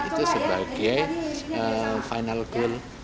itu sebagai final goal